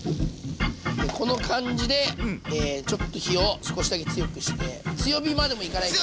この感じでちょっと火を少しだけ強くして強火までもいかない。